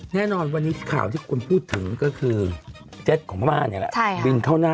แน่นอนวันนี้ข่าวที่คุณพูดถึงก็คือเจ็ดของพระม่าเนี่ยแหละ